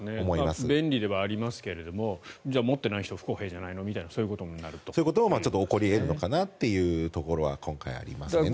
便利ではありますが持っていない人不公平じゃないのみたいなそういうことも起こり得るのかなというのが今回ありますね。